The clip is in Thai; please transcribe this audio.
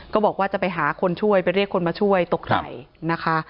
ก็บอกว่าจะไปหาคนช่วยไปเรียกคนมาช่วยตกใจนะคะ